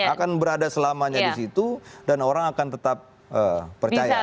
akan berada selamanya di situ dan orang akan tetap percaya